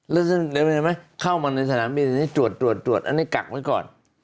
แล้วเข้ามาในสนามบินอันนี้ตรวจตรวจอันนี้กักไว้ก่อน